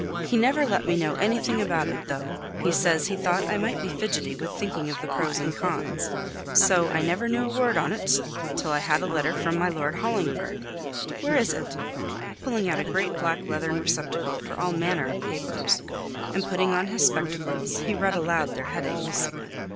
He never let me know anything about it, though; he says he thought I might be fidgety with thinking of the pros and cons. So I never knew a word on't till I had a letter from my Lord Hollingford where is it?" pulling out a great black leathern receptacle for all manner of papers. And putting on his spectacles, he read aloud their headings.